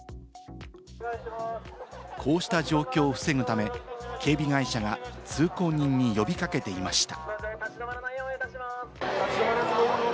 こうした状況を防ぐため、警備会社が通行人に呼び掛けていました。